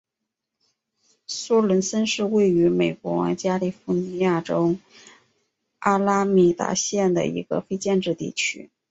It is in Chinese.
索伦森是位于美国加利福尼亚州阿拉米达县的一个非建制地区。